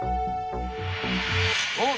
あっ！